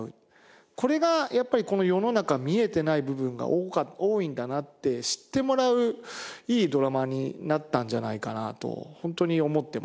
これがやっぱりこの世の中見えてない部分が多いんだなって知ってもらういいドラマになったんじゃないかなとホントに思ってます。